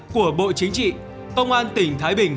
của bộ chính trị công an tỉnh thái bình